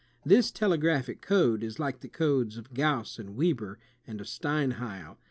This telegraphic code is like the codes of Gauss and Weber, and of Steinheil.